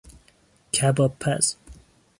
کبابپز